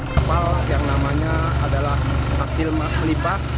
kapal yang namanya adalah hasil lipat